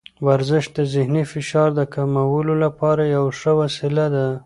ورزش د ذهني فشار د کمولو لپاره یوه ښه وسیله ده.